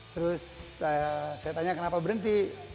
terus saya tanya kenapa berhenti